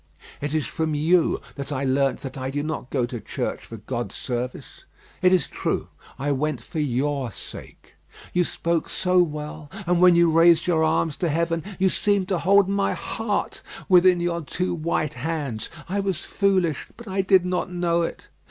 It is from you that I have learnt that I do not go to church for God's service. It is true; I went for your sake. You spoke so well, and when you raised your arms to heaven, you seemed to hold my heart within your two white hands. I was foolish; but I did not know it.